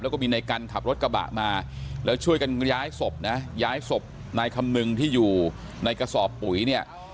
แล้วก็มีนายกันขับรถกระบะมาแล้วช่วยกันย้ายศพนะย้ายศพนายคำนึงที่อยู่ในกระสอบปุ๋ยเนี่ย